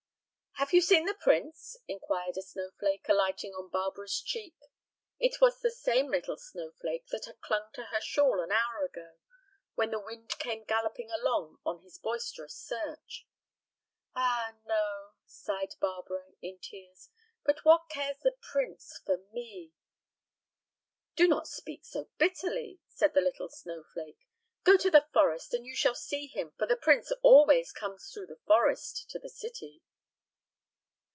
"Have you seen the prince?" inquired a snowflake, alighting on Barbara's cheek. It was the same little snowflake that had clung to her shawl an hour ago, when the wind came galloping along on his boisterous search. "Ah, no!" sighed Barbara, in tears; "but what cares the prince for me?" "Do not speak so bitterly," said the little snowflake. "Go to the forest and you shall see him, for the prince always comes through the forest to the city."